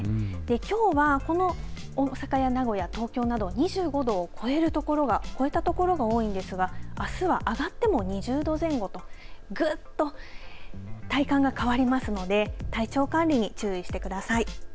きょうはこの大阪や名古屋東京など２５度を超えたところは多いんですがあすは上がっても２０度前後とぐっと体感が変わりますので体調管理に注意してください。